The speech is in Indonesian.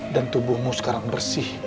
dan tubuhmu sekarang bersih